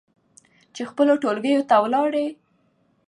چې خپلو ټولګيو ته ولاړې